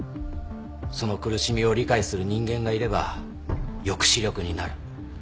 その苦しみを理解する人間がいれば抑止力になる。